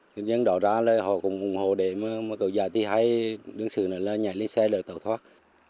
ngư dân ở đó ra là họ cũng hù để mấy cậu già thì hay đứng xử này là nhảy lên xe rồi tàu thoát